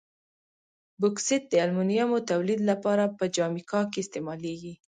بوکسیت د المونیمو تولید لپاره په جامیکا کې استعمالیږي.